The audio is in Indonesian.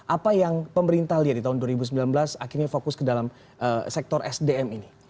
apa yang pemerintah lihat di tahun dua ribu sembilan belas akhirnya fokus ke dalam sektor sdm ini